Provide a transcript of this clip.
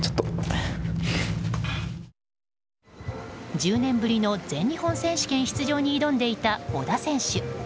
１０年ぶりの全日本選手権出場に挑んでいた織田選手。